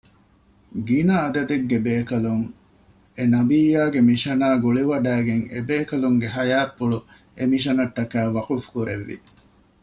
ގިނަ ޢަދަދެއްގެ ބޭކަލުން އެނަބިއްޔާގެ މިޝަނާ ގުޅިވަޑައިގެން އެބޭކަލުންގެ ޙަޔާތްޕުޅު އެމިޝަނަށްޓަކައި ވަޤުފު ކުރެއްވި